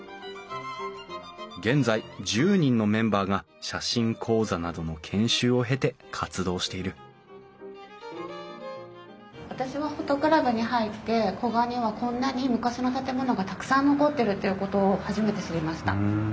現在１０人のメンバーが写真講座などの私はＰｈｏｔｏクラブに入って古河にはこんなに昔の建物がたくさん残ってるっていうことを初めて知りました。